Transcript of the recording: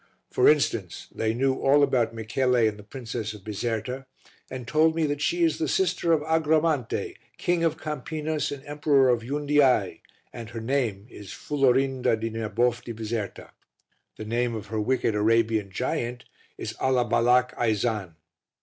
For instance, they knew all about Michele and the Princess of Bizerta and told me that she is the sister of Agramante, King of Campinas and Emperor of Yundiay, and her name is Fulorinda di Nerbof di Bizerta; the name of her wicked Arabian giant is Alaballak Aizan.